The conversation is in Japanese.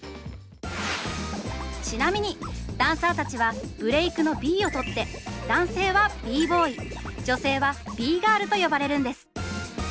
ちなみにダンサーたちはブレイクのＢを取って男性はＢ−Ｂｏｙ女性はＢーＧｉｒｌと呼ばれるんです！